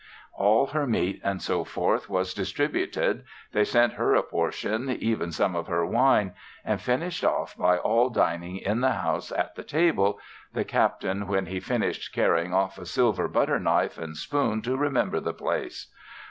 All her meat, &c. was distributed, they sent her a portion, even some of her wine, and finished off by all dining in the house at the table, the Captain when he finished carrying off a silver butter knife and spoon to remember the place.